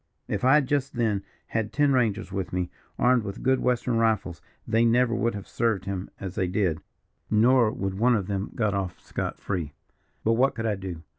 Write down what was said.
If I had just then had ten rangers with me, armed with good western rifles, they never would have served him as they did, nor would one of them got off scot free. But what could I do?